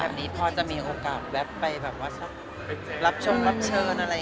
นี้พอจะมีโอกาสแวะไปแบบว่าชอบรับชงรับเชิญอะไร